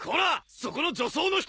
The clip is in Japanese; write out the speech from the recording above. そこの女装の人！